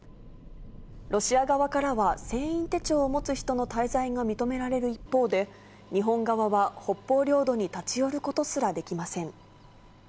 ロシア側からは船員手帳を持つ人の滞在が認められる一方で、日本側は北方領土に立ち寄ること